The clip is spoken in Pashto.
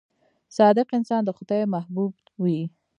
• صادق انسان د خدای محبوب وي.